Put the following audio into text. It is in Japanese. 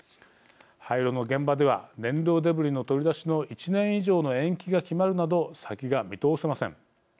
廃炉の現場では燃料デブリの取り出しの１年以上の延期が決まるなど先が見通せません。